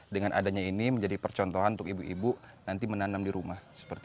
dengan adanya ini menjadi percontohan untuk ibu ibu nanti menanam di rumah